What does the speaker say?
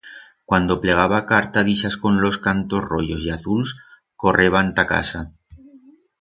Cuando plegaba carta d'ixas con los cantos royos y azuls, correban ta casa.